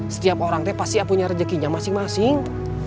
setiap orang itu pasti punya rezekinya masing masing